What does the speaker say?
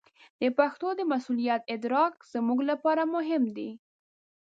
د پښتو د مسوولیت ادراک زموږ لپاره مهم دی.